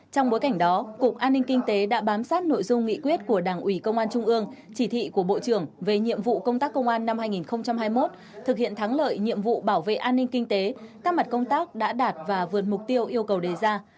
trong bối cảnh đó cục an ninh kinh tế đã bám sát nội dung nghị quyết của đảng ủy công an trung ương chỉ thị của bộ trưởng về nhiệm vụ công tác công an năm hai nghìn hai mươi một thực hiện thắng lợi nhiệm vụ bảo vệ an ninh kinh tế các mặt công tác đã đạt và vượt mục tiêu yêu cầu đề ra